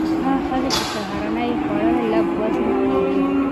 هغه ښځې چې سهارنۍ یې خوړله، لږ وزن یې کم شو.